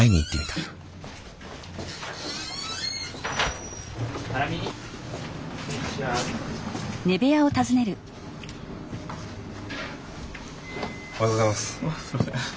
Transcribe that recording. すいません。